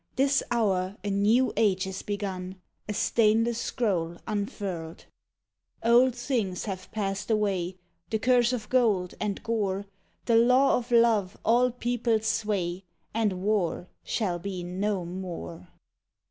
This hour a new age is begun— A stainless scroll unfurled. VIII Old things have passed away— The curse of gold, and gore; The Law of Love all peoples sway, And war shall be no more.